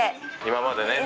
今までね。